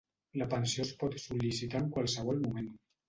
La pensió es pot sol·licitar en qualsevol moment.